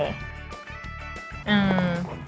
อืม